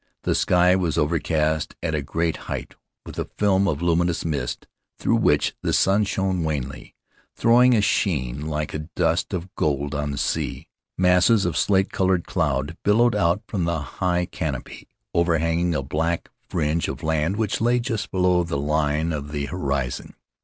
The sky was overcast at a great height with a film of luminous mist through which the sun shone wanly, throwing a sheen like a dust of gold on the sea. Masses of slate colored cloud billowed out from the high canopy, overhanging a black fringe of land which lay just below the line of the horizon.